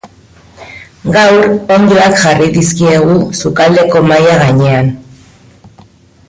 Gaur, onddoak jarri dizkiegu sukaldeko mahai gainean.